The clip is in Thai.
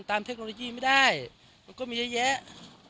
เทคโนโลยีไม่ได้มันก็มีเยอะแยะ